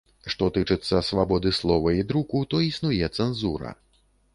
Што тычыцца свабоды слова і друку, то існуе цэнзура.